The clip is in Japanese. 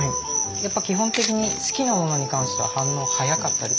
やっぱ基本的に好きなものに関しては反応早かったり。